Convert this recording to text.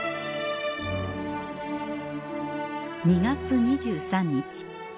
２月２３日